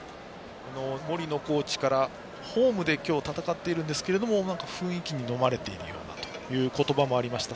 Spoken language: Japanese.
森野コーチから、ホームで今日戦っているんですけども雰囲気にのまれているようだという言葉もありました。